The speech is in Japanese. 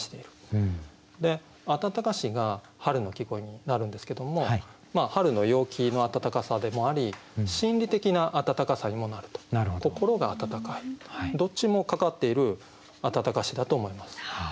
「暖かし」が春の季語になるんですけども春の陽気の暖かさでもあり心理的な暖かさにもなると心が暖かいどっちもかかっている「暖かし」だと思います。